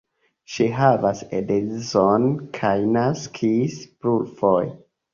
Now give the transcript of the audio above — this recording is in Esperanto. Ŝi havas edzon kaj naskis plurfoje.